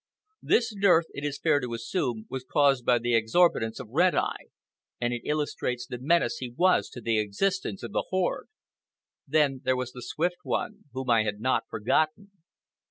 This dearth, it is fair to assume, was caused by the exorbitance of Red Eye, and it illustrates the menace he was to the existence of the horde. Then there was the Swift One, whom I had not forgotten.